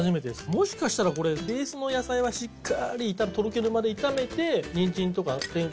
もしかしたらこれ、ベースの野菜はしっかりとろけるまで炒めて、具用に？